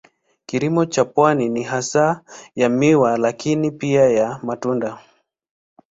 Kilimo cha pwani ni hasa ya miwa lakini pia ya matunda.